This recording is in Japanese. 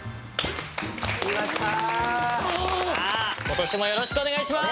今年もよろしくお願いします。